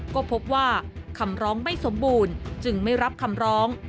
ก็พบว่าคำร้องไม่สมบูรณ์จึงไม่รับคำร้อง